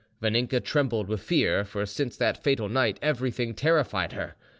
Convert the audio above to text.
Vaninka trembled with fear, for since that fatal night everything terrified her.